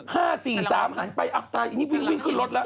๕๔๓หันไปอันนี้วิ่งขึ้นรถแล้ว